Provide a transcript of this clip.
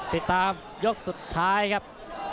ติดตามยกสุดท้ายครับ